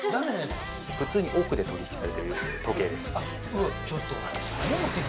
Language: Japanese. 普通に億で取り引きされてる時計です